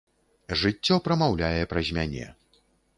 Жыццё прамаўляе праз мяне.